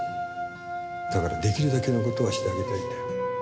だから出来るだけの事はしてあげたいんだよ。